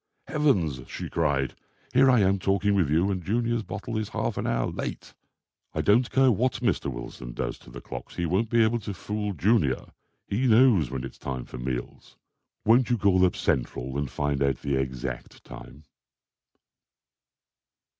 "Heavens!" she cried. "Here I am talking with you and Junior's bottle is half an hour late. I don't care what Mr. Wilson does to the clocks; he won't be able to fool Junior. He knows when it's, time for meals. Won't you call up Central and find out the exact time?"